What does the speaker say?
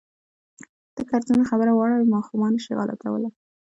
ته که هر څومره خبره واړوې، خو ما نه شې غلتولای.